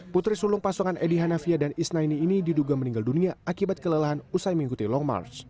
putri sulung pasangan edi hanafia dan isnaini ini diduga meninggal dunia akibat kelelahan usai mengikuti long march